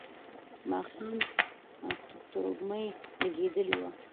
د ماښام تروږمۍ لګېدلې وه.